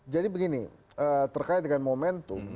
jadi begini terkait dengan momentum